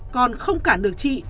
còn không cản được chị